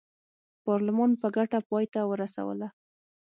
پارلمان په ګټه پای ته ورسوله.